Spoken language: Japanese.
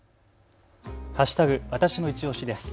わたしのいちオシです。